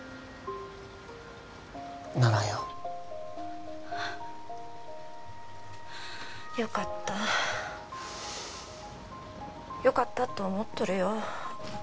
ならんよよかったよかったと思っとるよ